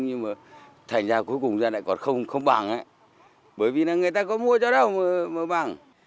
nhưng mà thành ra cuối cùng ra lại còn không bằng bởi vì là người ta có mua cho đâu mà bằng